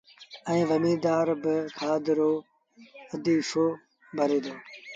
ائيٚݩ زميݩدآر با کآڌ ائيٚݩ دوآ رو اڌ هسو ڀري دو